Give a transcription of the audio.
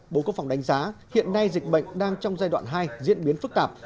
bộ quốc phòng đánh giá hiện nay dịch bệnh đang trong giai đoạn hai diễn biến phức tạp